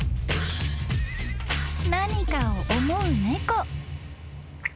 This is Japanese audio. ［何かを思う猫］